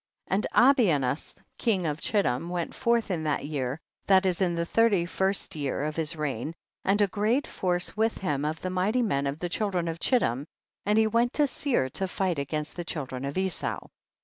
2. And Abianus king of Chittim went forth in that year, that is in the thirty first year of his reign, and a great force with him of the mighty men of the children of Chittim, and he went to Seir to fight against the children of Esau.